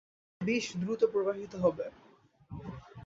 এতে বিষ দ্রুত প্রবাহিত হবে।